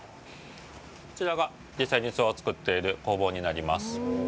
こちらが実際に器を作っている工房になります。